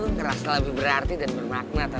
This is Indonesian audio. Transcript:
ngerasa lebih berarti dan bermakna tau